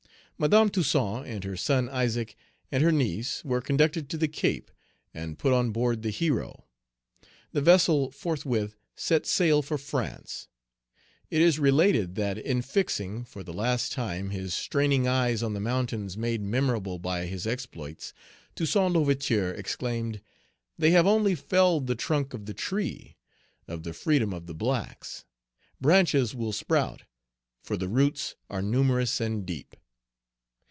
Madame Toussaint and her son Isaac and her niece were conducted to the Cape, and put on board the Hero. The vessel forthwith set sail for France. It is related that, in fixing, for the last time, his straining eyes on the mountains made memorable by his exploits, Toussaint L'Ouverture exclaimed, "They have only felled the trunk of the tree (of the freedom of the blacks); branches will sprout, for the roots are numerous and deep."